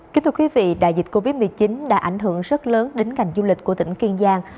kính thưa quý vị đại dịch covid một mươi chín đã ảnh hưởng rất lớn đến ngành du lịch của tỉnh kiên giang